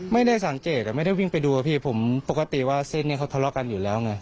ไม่ได้สังเกตไม่ได้วิ่งไปดูอะพี่ผมปกติว่าเส้นนี้เขาทะเลาะกันอยู่แล้วไง